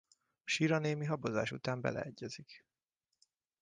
Shira némi habozás után beleegyezik.